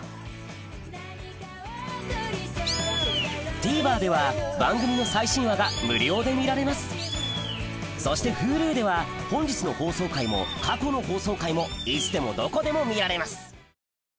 ＴＶｅｒでは番組の最新話が無料で見られますそしてＨｕｌｕでは本日の放送回も過去の放送回もいつでもどこでも見られます